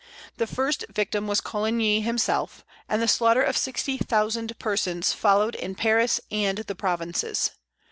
The first victim was Coligny himself, and the slaughter of sixty thousand persons followed in Paris and the provinces.